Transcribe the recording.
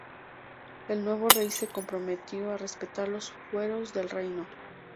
El nuevo rey se comprometió a respetar los fueros del reino.